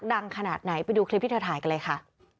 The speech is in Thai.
ดังขนาดไหนไปดูคลิปที่เธอถ่ายกันเลยค่ะ